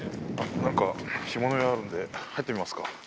なんか干物屋あるんで、入ってみますか。